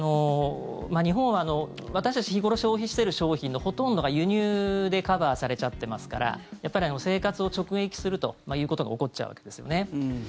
日本は、私たち日頃消費してる商品のほとんどが輸入でカバーされちゃってますから生活を直撃するということが起こっちゃうわけですよね。